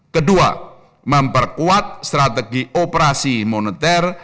kedua memperkuat strategi operasi moneter